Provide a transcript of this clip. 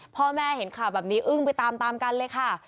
พ่อแม่เห็นข่าวแบบนี้อึ้งไปตามตามกันเลยค่ะ